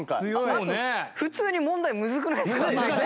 あと普通に問題むずくないですか？